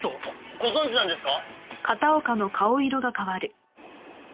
ご存じなんですか？